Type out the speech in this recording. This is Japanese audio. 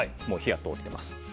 もう火は通っています。